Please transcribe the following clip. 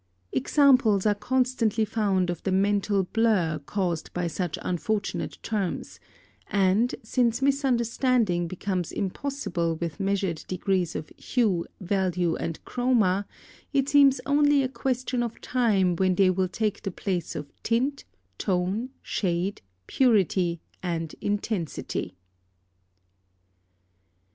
Examples are constantly found of the mental blur caused by such unfortunate terms, and, since misunderstanding becomes impossible with measured degrees of hue, value, and chroma, it seems only a question of time when they will take the place of tint, tone, shade, purity and intensity.